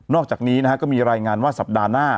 อกจากนี้ก็มีรายงานว่าสัปดาห์หน้า